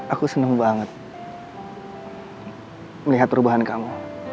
aku senang banget melihat perubahan kamu